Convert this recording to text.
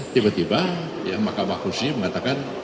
tiba tiba mahkamah kursi mengatakan